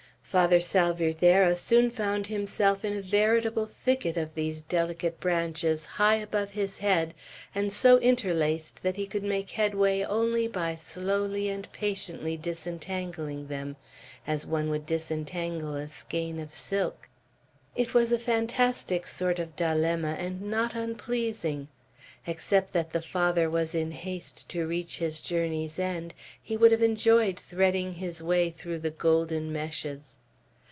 Father Salvierderra soon found himself in a veritable thicket of these delicate branches, high above his head, and so interlaced that he could make headway only by slowly and patiently disentangling them, as one would disentangle a skein of silk. It was a fantastic sort of dilemma, and not unpleasing. Except that the Father was in haste to reach his journey's end, he would have enjoyed threading his way through the golden meshes.